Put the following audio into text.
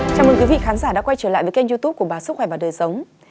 chào mừng quý vị khán giả đã quay trở lại với kênh youtube của bà sức khỏe và đời sống